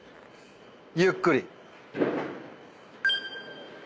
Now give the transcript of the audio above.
ゆっくり」